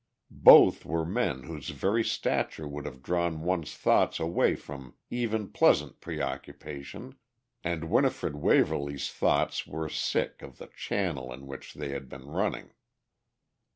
Both were men whose very stature would have drawn one's thoughts away from even pleasant preoccupation, and Winifred Waverly's thoughts were sick of the channel in which they had been running.